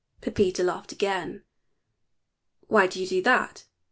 Pepita laughed again. "Why do you do that?"